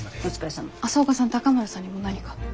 朝岡さん高村さんにも何か？